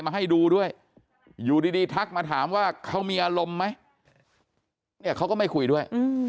มาให้ดูด้วยอยู่ดีทักมาถามว่าเขามีอารมณ์ไหมเนี่ยเขาก็ไม่คุยด้วย